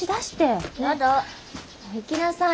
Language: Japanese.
行きなさい。